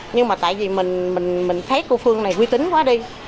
nhưng mà tại vì mình thấy cô phương này quy tính quá đi